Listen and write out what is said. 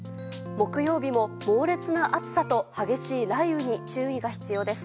木曜日も猛烈な暑さと激しい雷雨に注意が必要です。